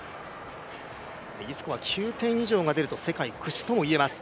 Ｅスコア、９点以上出ると世界屈指ともいえます。